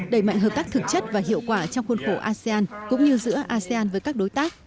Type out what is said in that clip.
đẩy mạnh hợp tác thực chất và hiệu quả trong khuôn khổ asean cũng như giữa asean với các đối tác